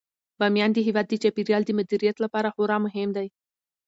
بامیان د هیواد د چاپیریال د مدیریت لپاره خورا مهم دی.